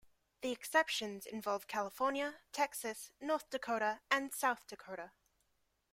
The exceptions involve California, Texas, North Dakota, and South Dakota.